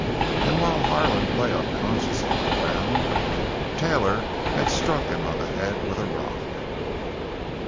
And while Harlan lay unconscious on the ground Taylor had struck him on the head with a rock.